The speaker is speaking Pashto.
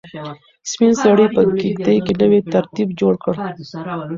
سپین سرې په کيږدۍ کې نوی ترتیب جوړ کړ.